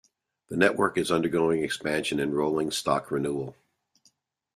The network is undergoing expansion and rolling stock renewal.